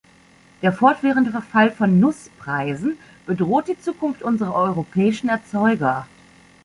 Der fortwährende Verfall von Nusspreisen bedroht die Zunkunft unserer europäischen Erzeuger.